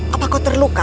apa kau terluka